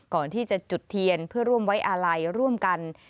ก่อนที่จะจุดเทียนเพื่อร่วมไว้อาลัยร่วมกัน